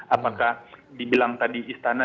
apakah dibilang tadi istana